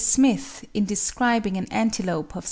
Smith, in describing an antelope of S.